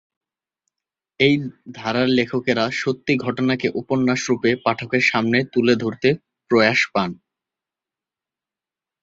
এই ধারার লেখকেরা সত্যি ঘটনাকে উপন্যাস রূপে পাঠকের সামনে তুলে ধরতে প্রয়াস পান।